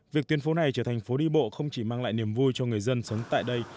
việc tuyến phố này trở thành phố đi bộ không chỉ mang lại niềm vui cho người dân sống tại đây